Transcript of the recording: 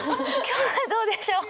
今日はどうでしょう？